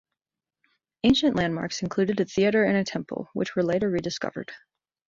Ancient landmarks included a theatre and a temple, which were later rediscovered.